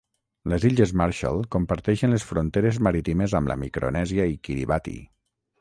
Les Illes Marshall comparteixen les fronteres marítimes amb la Micronèsia i Kiribati.